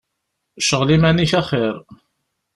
Cɣel iman-ik axir.